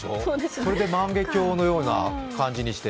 それで万華鏡のような感じにして。